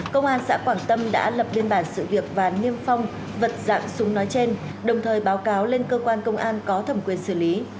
công an xã quảng tâm đã lập biên bản sự việc và niêm phong vật dạng súng nói trên đồng thời báo cáo lên cơ quan công an có thẩm quyền xử lý